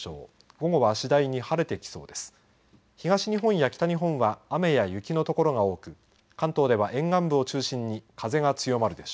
午後は次第に晴れてきそうです。